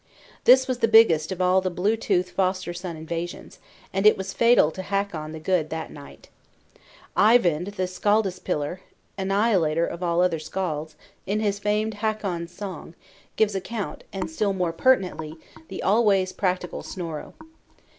This was the biggest of all the Blue tooth foster son invasions; and it was fatal to Hakon the Good that night. Eyvind the Skaldaspillir (annihilator of all other Skalds), in his famed Hakon's Song, gives account, and, still more pertinently, the always practical Snorro.